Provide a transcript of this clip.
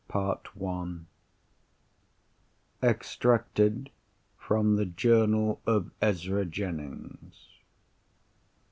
_Extracted from the Journal of Ezra Jennings.